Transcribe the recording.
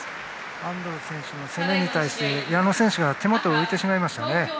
安藤選手の攻めに対して矢野選手の手元が浮いてしまいましたね。